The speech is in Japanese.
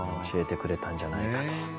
教えてくれたんじゃないかと。